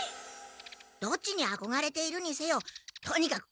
どっちにあこがれているにせよとにかく